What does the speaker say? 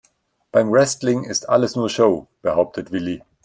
Beim Wrestling ist alles nur Show, behauptet Willi.